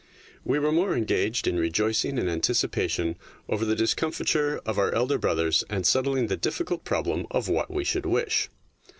We were more engaged in rejoicing in anticipation over the discom fiture of our elder brothers and settling the difficult problem of what we should wish.